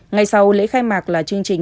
ngày sau lễ khai mạc là chương trình